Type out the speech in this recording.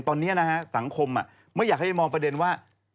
ตอนนี้นะฮะสังคมไม่อยากให้มองประเด็นว่า